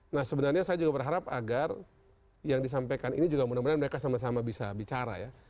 nah sebenarnya saya juga berharap agar yang disampaikan ini juga mudah mudahan mereka sama sama bisa bicara ya